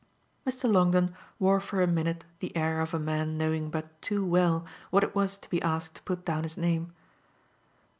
Mr. Longdon wore for a minute the air of a man knowing but too well what it was to be asked to put down his name.